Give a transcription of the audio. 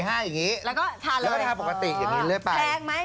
แล้วก็ทาเลยแล้วทาปกติอย่างงี้เรื่อยไปแพงไหม